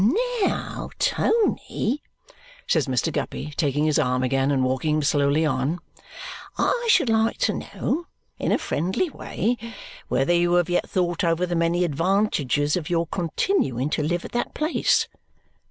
"Now, Tony," says Mr. Guppy, taking his arm again and walking him slowly on, "I should like to know, in a friendly way, whether you have yet thought over the many advantages of your continuing to live at that place?"